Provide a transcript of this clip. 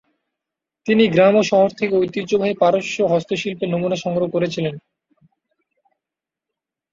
তিনি গ্রাম ও শহর থেকে ঐতিহ্যবাহী পারস্য হস্তশিল্পের নমুনা সংগ্রহ করেছিলেন।